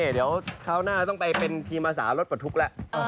เดี๋ยวคราวหน้าต้องไปเป็นทีมอาสารถปลดทุกข์แล้ว